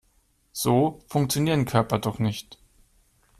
So funktionieren Körper doch nicht.